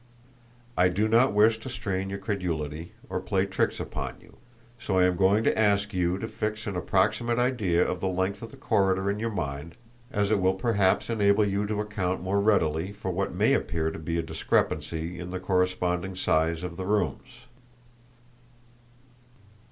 I do not wish to strain your credulity, or play tricks upon you; so I am going to ask you to fix an approximate idea of the length of the corridor in your mind, as it will perhaps enable you to account more readily for what may appear to be a discrepancy in the corresponding size of the rooms."